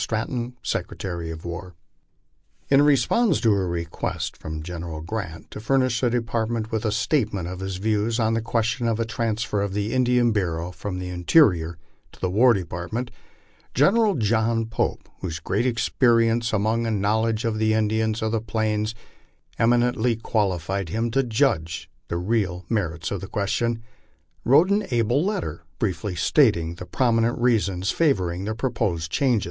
E. M. STANTON, Secretary of War. In response to a request from General Grant to furnish the Department with a statement of his views on the question of a transfer of the Indian Bu reau from the Interior to the War Department, General John Pope, whose great experience among and knowledge of the Indians of the plains eminent ly qualified him to judge of the real merits of the question, wrote an able letter, briefly stating the prominent reasons favoring the proposed change.